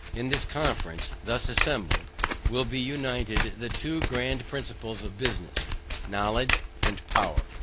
In this conference, thus assembled, will be united, the two grand principles of business, KNOWLEDGE and POWER.